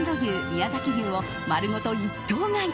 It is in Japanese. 宮崎牛を丸ごと一頭買い。